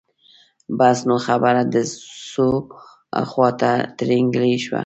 بس نو خبره د ځو خواته ترینګلې شوه.